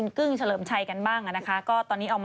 เรื่องนี้หนุ่มจะไม่ยุ่ม